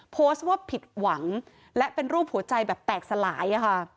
โพสต์ว่าผิดหวังและเป็นรูปหัวใจแบบแตกสลาย